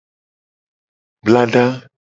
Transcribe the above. Blada.